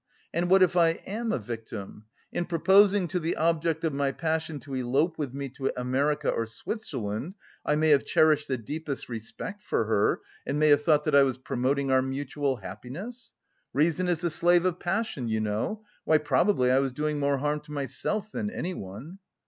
And what if I am a victim? In proposing to the object of my passion to elope with me to America or Switzerland, I may have cherished the deepest respect for her and may have thought that I was promoting our mutual happiness! Reason is the slave of passion, you know; why, probably, I was doing more harm to myself than anyone!"